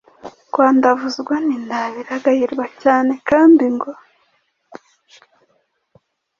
Kwandavuzwa n’inda biragayirwa cyane kandi ngo: “